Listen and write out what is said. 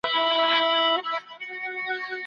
دا کور له هغه پاک دی.